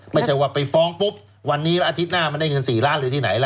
ไม่ใช่ว่าไปฟ้องปุ๊บวันนี้แล้วอาทิตย์หน้ามันได้เงิน๔ล้านหรือที่ไหนล่ะ